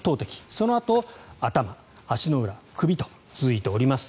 そのあと、頭足の裏、首と続いております。